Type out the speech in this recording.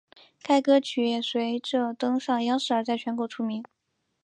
该歌曲也随着登上央视而在全国出名。